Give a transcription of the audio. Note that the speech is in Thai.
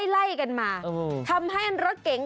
ไล่กันมาทำให้รถเก๋ง